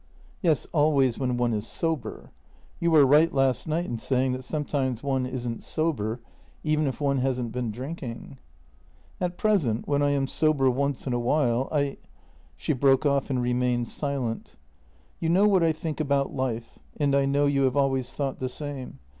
" Yes, always when one is sober. You were right last night in saying that sometimes one isn't sober even if one hasn't been drinking." " At present — when I am sober once in a while, I " She broke off and remained silent. " You know what I think about life, and I know you have always thought the same.